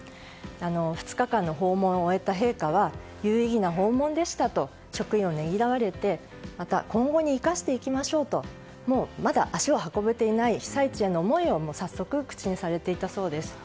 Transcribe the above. ２日間の訪問を終えた陛下は有意義な訪問でしたと職員をねぎらわれて今後に生かしていきましょうとまだ足を運べていない被災地への思いを早速、口にされていたそうです。